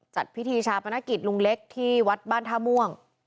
จัดพิธีชาปนกิจลุงเล็กที่วัดบ้านท่าม่วง